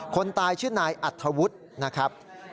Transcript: คนตายชื่อนายอัธวุฒินะครับ